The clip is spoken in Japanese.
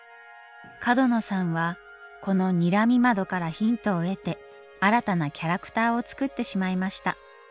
角野さんはこのにらみ窓からヒントを得て新たなキャラクターを作ってしまいました。